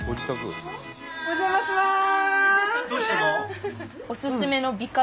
お邪魔します！